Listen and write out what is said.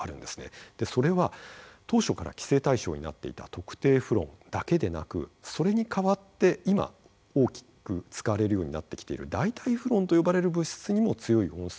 それは当初から規制対象になっていた特定フロンだけでなくそれに替わって今大きく使われるようになってきている代替フロンと呼ばれる物質にも強い温室効果があるんですよ。